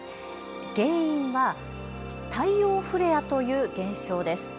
原因は太陽フレアという現象です。